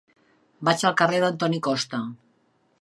Vaig al carrer d'Antoni Costa.